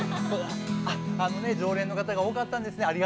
あっあのね常連の方が多かったんですね。